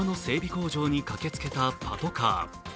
工場に駆けつけたパトカー。